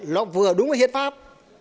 nó vừa đúng với hiến pháp